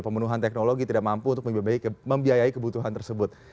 pemenuhan teknologi tidak mampu untuk membiayai kebutuhan tersebut